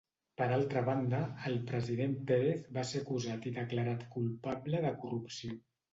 Per altra banda, el president Pérez va ser acusat i declarat culpable de corrupció.